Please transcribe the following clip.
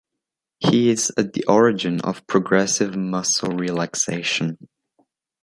He is at the origin of progressive muscle relaxation.